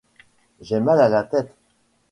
J'ai mal à la tête !